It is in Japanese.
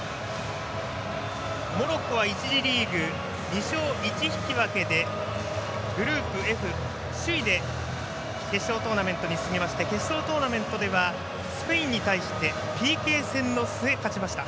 モロッコは１次リーグ２勝１引き分けでグループＦ、首位で決勝トーナメントではスペインに対してＰＫ戦の末、勝ちました。